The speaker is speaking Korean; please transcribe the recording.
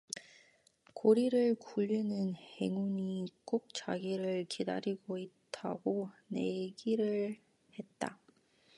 꼬리를 굴리는 행운이 꼭 자기를 기다리고 있다고 내기를 했다